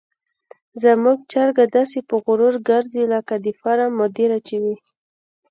زموږ چرګه داسې په غرور ګرځي لکه د فارم مدیره چې وي.